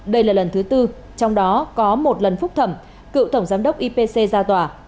đây là lần thứ tư trong đó có một lần phúc thẩm cựu tổng giám đốc ipc ra tòa